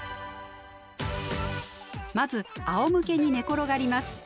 まずあおむけに寝転がります。